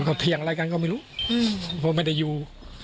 แต่เขาเที่ยงอะไรกันก็ไม่รู้ผมไม่ได้อยู่